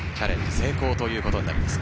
成功ということになりますが。